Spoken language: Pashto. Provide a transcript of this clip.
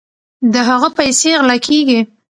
د هغه پیسې غلا کیږي.